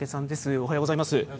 おはようございます。